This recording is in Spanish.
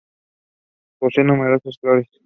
Posee numerosas flores.